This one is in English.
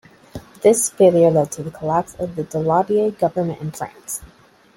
This failure led to the collapse of the Daladier government in France.